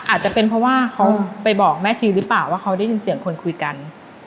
อาจจะเป็นเพราะว่าเขาไปบอกแม่ทีหรือเปล่าว่าเขาได้ยินเสียงคนคุยกัน